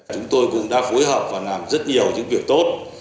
chúng tôi cũng đã phối hợp và làm rất nhiều những việc tốt